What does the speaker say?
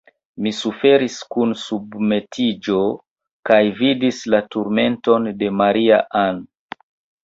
Mi suferis kun submetiĝo, kaj vidis la turmenton de Maria-Ann.